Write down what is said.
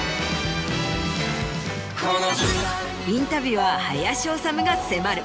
インタビュアー林修が迫る。